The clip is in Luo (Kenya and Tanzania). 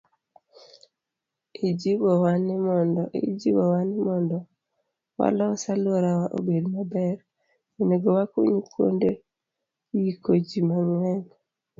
Ijiwowa ni mondo walos alworawa obed maber, onego wakuny kuonde yiko ji mang'eny.